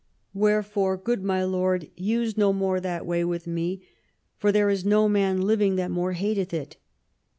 Wherefore, good my lord, use no more that way with me, for there is no man living that more hateth it."